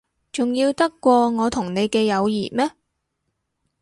重要得過我同你嘅友誼咩？